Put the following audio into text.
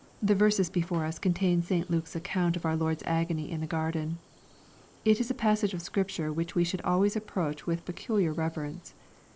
The verses before us contain St. Luke's account of our Lord's agony in the garden. It is a passage of Scripture which we should always approach with peculiar rever ence.